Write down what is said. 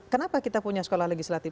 kenapa kita punya sekolah legislatif